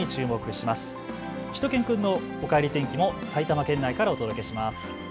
しゅと犬くんのおかえり天気も埼玉県内からお届けします。